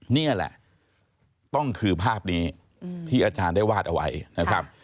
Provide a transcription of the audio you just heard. นี่แหละต้องคือภาพนี้ที่อาจารย์ได้วาดเอาไว้นะครับ